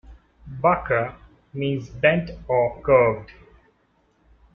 "Bakra" means bent or curved.